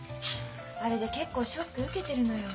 あれで結構ショック受けてるのよ。